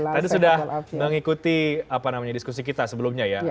tadi sudah mengikuti diskusi kita sebelumnya ya